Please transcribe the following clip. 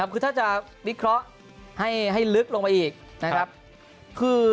คือถ้าจะวิเคราะห์ให้ลึกลงไปอีกนะครับ